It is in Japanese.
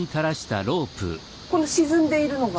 この沈んでいるのが？